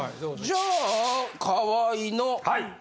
じゃあ河合の。